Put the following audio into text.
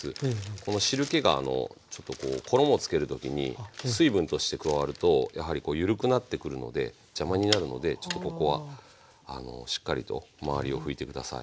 この汁けがちょっとこう衣をつける時に水分として加わるとやはりこう緩くなってくるので邪魔になるのでちょっとここはしっかりと周りを拭いて下さい。